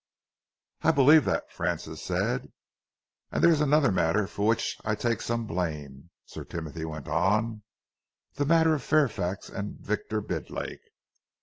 "I believe that," Francis said. "And there is another matter for which I take some blame," Sir Timothy went on, "the matter of Fairfax and Victor Bidlake.